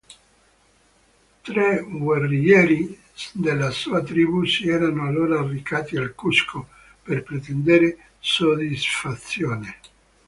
Tre guerrieri della sua tribù si erano allora recati al Cusco per pretendere soddisfazione.